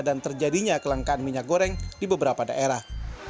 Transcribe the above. dan terjadinya kelengkaan minyak goreng di beberapa daerah